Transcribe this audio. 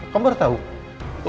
kamu baru tahu